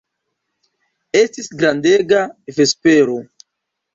Estis grandega vespero.